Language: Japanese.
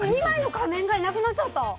仮面がいなくなっちゃった。